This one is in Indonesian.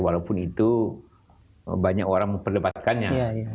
walaupun itu banyak orang memperdebatkannya